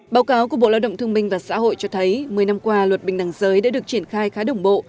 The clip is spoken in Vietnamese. báo cáo của bộ lao động thương minh và xã hội cho thấy một mươi năm qua luật bình đẳng giới đã được triển khai khá đồng bộ